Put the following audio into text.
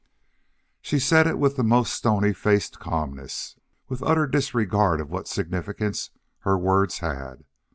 She said it with the most stony faced calmness, with utter disregard of what significance her words had.